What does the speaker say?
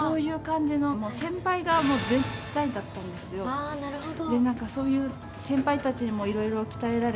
ああなるほど。